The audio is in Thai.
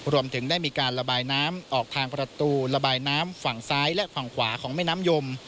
รวมถึงได้มีการระบายน้ำออกทางประตูระบายน้ำฝั่งซ้ายและฝั่งขวาของแม่น้ำยม